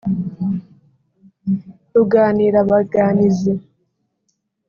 Ruganirabaganizi